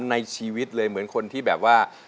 ในชีวิตเลยเหมือนคนที่แบบว่า